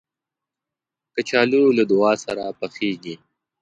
کچالو له دعا سره پخېږي